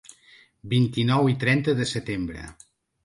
Vint-i-nou i trenta de setembre.